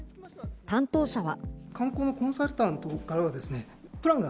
担当者は。